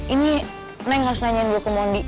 ini neng harus nanyain gue ke mondi